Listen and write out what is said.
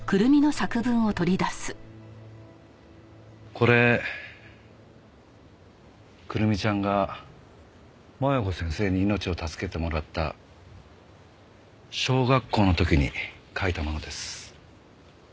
これ玖瑠美ちゃんが麻弥子先生に命を助けてもらった小学校の時に書いたものです。